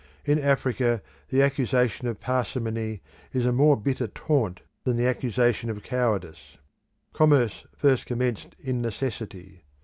In Africa the accusation of parsimony is a more bitter taunt than the accusation of cowardice. Commerce first commenced in necessity.